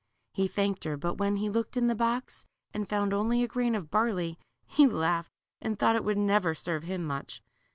He thanked her, but when he looked in the box and found only a grain of barley, he laughed and thought it would never serve him much.